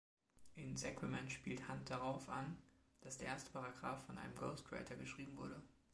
In „Sacrament“ spielt Hand darauf an, dass der erste Paragraph von einem Ghostwriter geschrieben wurde.